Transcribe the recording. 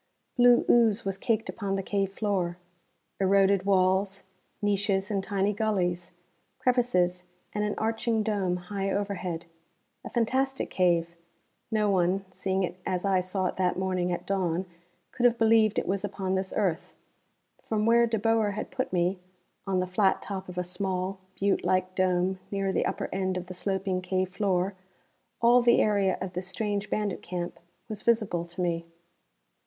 Blue ooze was caked upon the cave floor. Eroded walls; niches and tiny gullies; crevices and an arching dome high overhead. A fantastic cave no one, seeing it as I saw it that morning at dawn, could have believed it was upon this earth. From where De Boer had put me on the flat top of a small, butte like dome near the upper end of the sloping cave floor all the area of this strange bandit camp was visible to me.